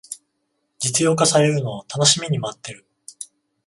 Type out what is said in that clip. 実用化されるのを楽しみに待ってる